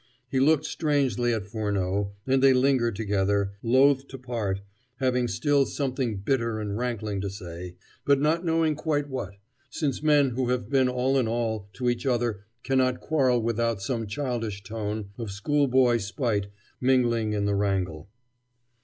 He looked strangely at Furneaux, and they lingered together, loath to part, having still something bitter and rankling to say, but not knowing quite what, since men who have been all in all to each other cannot quarrel without some childish tone of schoolboy spite mingling in the wrangle.